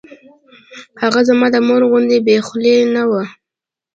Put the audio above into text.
هغه زما د مور غوندې بې خولې نه وه.